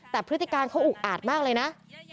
แต่พฤติการเขาอุกอาดมากเลยนะ